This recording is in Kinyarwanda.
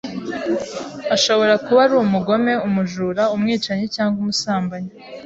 ashobora kuba ari umugome, umujura, umwicanyi cyangwa umusambanyi